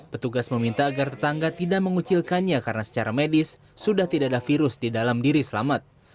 petugas meminta agar tetangga tidak mengucilkannya karena secara medis sudah tidak ada virus di dalam diri selamat